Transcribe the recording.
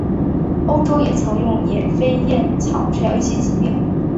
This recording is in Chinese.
欧洲也曾用野飞燕草治疗一些疾病。